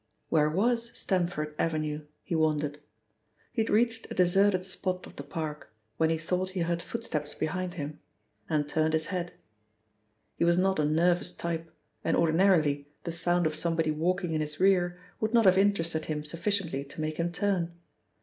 Where was Stamford Avenue, he wondered. He had reached a deserted spot of the park, when he thought he heard footsteps behind him, and turned his head. He was not a nervous type, and ordinarily the sound of somebody walking in his rear would not have interested him sufficiently to make him turn.